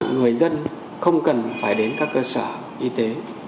người dân không cần phải đến các cơ sở y tế